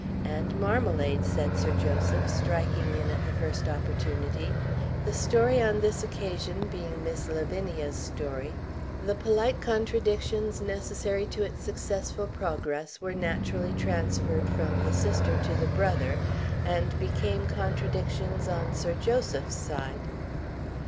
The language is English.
"And marmalade," said Sir Joseph, striking in at the first opportunity. The story, on this occasion, being Miss Lavinia's story, the polite contradictions necessary to its successful progress were naturally transferred from the sister to the brother, and became contradictions on Sir Joseph's side.